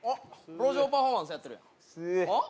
路上パフォーマンスやってるやんすあっ？